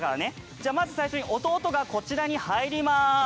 じゃあまず最初に弟がこちらに入ります。